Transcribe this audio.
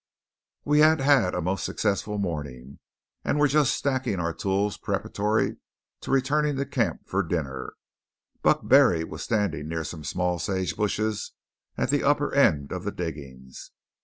We had had a most successful morning, and were just stacking our tools preparatory to returning to camp for dinner. Buck Barry was standing near some small sage bushes at the upper end of the diggings.